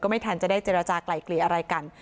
ไม่ทันจะได้เจรจากลายเกลี่ยอะไรกัน